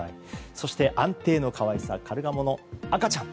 そして、安定の可愛さカルガモの赤ちゃん。